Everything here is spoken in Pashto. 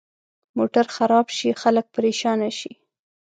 موټر خراب شي، خلک پرېشانه شي.